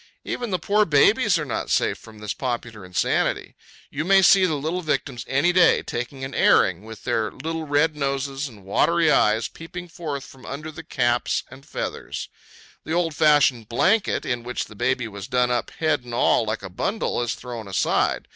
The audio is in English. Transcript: Even the poor babies are not safe from this popular insanity. You may see the little victims any day, taking an airing, with their little red noses and watery eyes peeping forth from under the cap and feathers. The old fashioned blanket, in which the baby was done up head and all, like a bundle, is thrown aside.